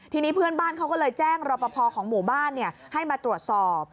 ทีนี้เพื่อนบ้านเขาก็เลยแจ้งรอปภของหมู่บ้านให้มาตรวจสอบ